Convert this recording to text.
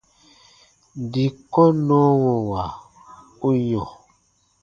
Dii kɔnnɔwɔwa u yɔ̃.